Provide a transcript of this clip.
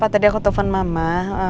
tadi aku telfon mama